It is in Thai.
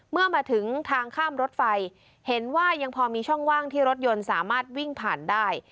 เมื่อมาถึงทางข้ามรถไฟเห็นว่ายังพอมีช่องว่างที่รถยนต์สามารถวิ่งผ่านได้